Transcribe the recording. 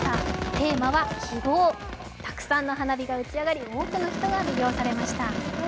テーマは「希望」、たくさんの花火が打ち上がり多くの人が魅了されました。